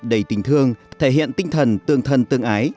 đầy tình thương thể hiện tinh thần tương thân tương ái